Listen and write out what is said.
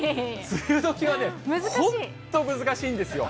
梅雨時は本当に難しいんですよ。